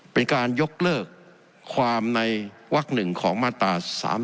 เป็นการยกเลิกความในวัก๑ของมาตรา๓๔